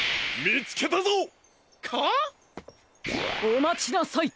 おまちなさい！